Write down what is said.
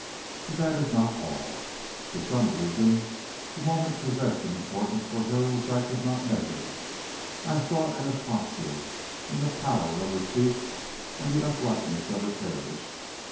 But that is not all. For some reason the moment possessed an importance for her which I could not measure. I saw it in her posture, in the pallor of her cheeks and the uprightness of her carriage.